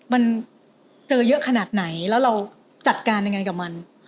มันเจอเยอะขนาดไหนแล้วเราจัดการยังไงกับมัน